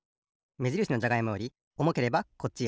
めじるしのじゃがいもよりおもければこっちへ。